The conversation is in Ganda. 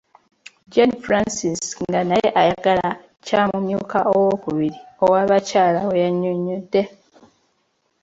Jane Francis nga naye ayagala kya mumyuka owookubiri ow'abakyala bwe yannyonnyodde.